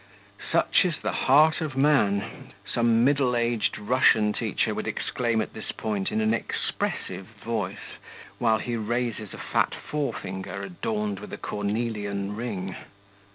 'Such is the heart of man!' some middle aged Russian teacher would exclaim at this point in an expressive voice, while he raises a fat forefinger, adorned with a cornelian ring.